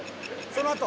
［そのあと］